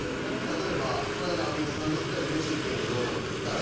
例えばこの間アンミカさんと２人で飯行ってんけど。